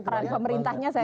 peran pemerintahnya saya